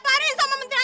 tapi ga ber tunai